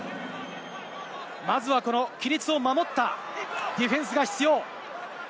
まずは規律を守ったディフェンスが必要。